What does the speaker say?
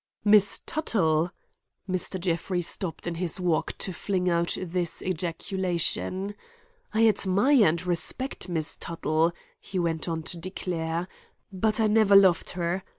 "Miss Tuttle?" Mr. Jeffrey stopped in his walk to fling out this ejaculation. "I admire and respect Miss Tuttle," he went on to declare, "but I never loved her.